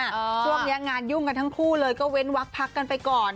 ช่วงนี้งานยุ่งกันทั้งคู่เลยก็เว้นวักพักกันไปก่อน